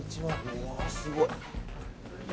うわ、すごい。